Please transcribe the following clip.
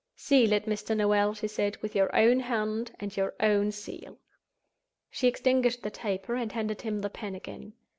"Seal it, Mr. Noel," she said, "with your own hand, and your own seal." She extinguished the taper, and handed him the pen again.